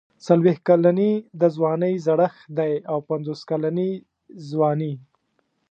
څلوېښت کلني د ځوانۍ زړښت دی او پنځوس کلني ځواني.